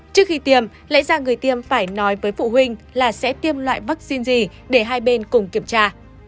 trước khi tiêm lẽ ra người tiêm phải nói với phụ huynh là sẽ tiêm loại vaccine gì để hai bên cùng kiểm tra